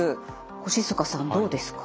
越塚さんどうですか？